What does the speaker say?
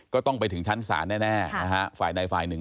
ก็ต้องไปถึงชั้นศาลแน่นะฮะฝ่ายใดฝ่ายหนึ่ง